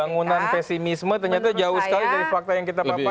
bangunan pesimisme ternyata jauh sekali dari fakta yang kita papar